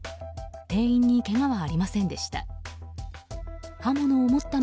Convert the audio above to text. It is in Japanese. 店員にけがはありませんでした。